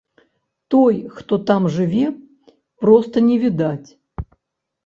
Той, хто там жыве, проста не відаць.